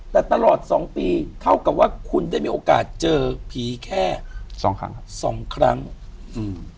แต่ตลอดสองปีเท่ากับว่าคุณได้มีโอกาสเจอผีแค่สองครั้งครับสองครั้งอืม